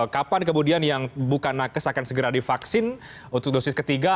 kapan kemudian yang bukan nakes akan segera divaksin untuk dosis ketiga